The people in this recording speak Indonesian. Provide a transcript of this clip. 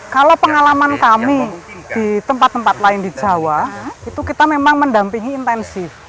kalau pengalaman kami di tempat tempat lain di jawa itu kita memang mendampingi intensif